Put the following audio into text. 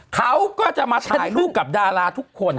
เขาก็จะมาถ่ายรูปกับดาราทุกคน